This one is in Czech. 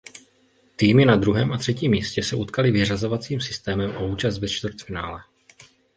Týmy na druhém a třetím místě se utkali vyřazovacím systémem o účast ve čtvrtfinále.